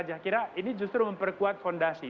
saya kira ini justru memperkuat fondasi